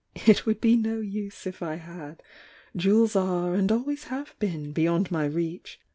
"It would be no use If I had! Jewels are, and always have been beyond my reach.